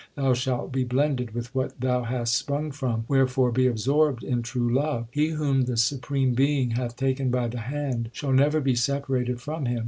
Thou shalt be blended with what thou hast sprung from; wherefore be absorbed in true love. He whom the Supreme Being hath taken by the hand shall never be separated from Him.